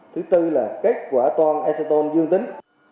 thứ năm là kết quả toan acetone dương tính